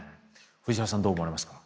藤原さんどう思われますか？